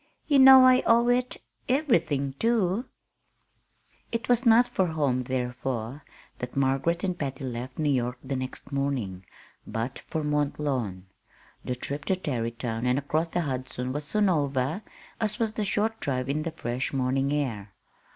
You know I owe it everything, too." It was not for home, therefore, that Margaret and Patty left New York the next morning, but for Mont Lawn. The trip to Tarrytown and across the Hudson was soon over, as was the short drive in the fresh morning air.